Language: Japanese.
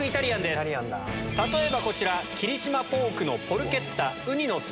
例えばこちら。